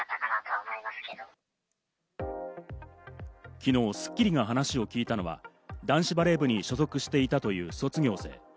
昨日、『スッキリ』が話を聞いたのは、男子バレー部に所属していたという卒業生。